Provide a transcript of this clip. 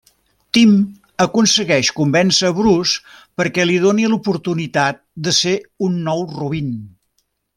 Tim aconsegueix convèncer Bruce perquè li doni l'oportunitat de ser un nou Robin.